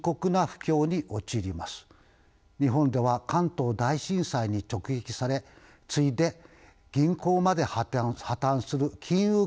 日本では関東大震災に直撃され次いで銀行まで破綻する金融恐慌が起きます。